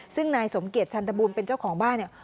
ซึ่งนายสมเกียจชันตบูลเป็นเจ้าของบ้านเนี่ย